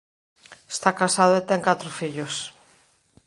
Está casado e ten catro fillos.